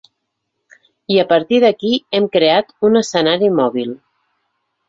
I a partir d’aquí hem creat un escenari mòbil.